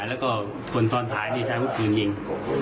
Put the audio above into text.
แล้วก็คนซ่อนถ่ายใช้รถพื้นยิง